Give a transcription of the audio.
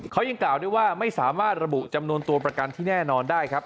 เขายังกล่าวด้วยว่าไม่สามารถระบุจำนวนตัวประกันที่แน่นอนได้ครับ